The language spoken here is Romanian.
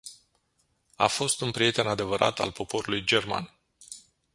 A fost un prieten adevărat al poporului german.